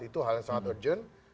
itu hal yang sangat urgent